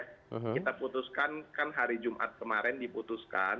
kita putuskan kan hari jumat kemarin diputuskan